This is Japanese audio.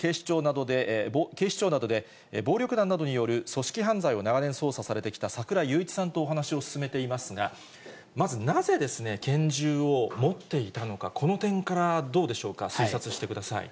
警視庁などで、暴力団などによる組織犯罪を長年捜査されてきた櫻井裕一さんとお話を進めていますが、まずなぜ拳銃を持っていたのか、この点からどうでしょうか、推察してください。